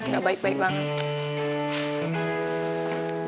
gak baik baik banget